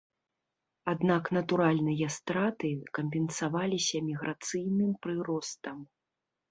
Аднак натуральныя страты кампенсаваліся міграцыйным прыростам.